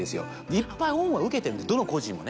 いっぱい恩は受けてるどの個人もね。